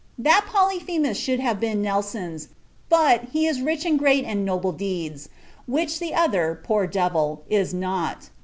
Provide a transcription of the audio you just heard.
That Polyphemus should have been Nelson's: but, he is rich in great and noble deeds; which t'other, poor devil! is not.